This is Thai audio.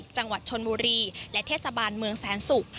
จังหวัดชนบุรีและเทศบาลเมืองแสนศุกร์